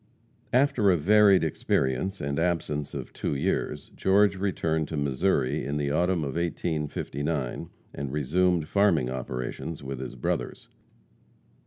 After a varied experience, and absence of two years, George returned to Missouri in the autumn of 1859, and resumed farming operations with his brothers.